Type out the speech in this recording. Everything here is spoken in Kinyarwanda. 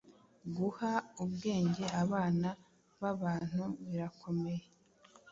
Guha ubwenge abana babantu birakomeye